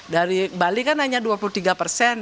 dari bali kan hanya dua puluh tiga persen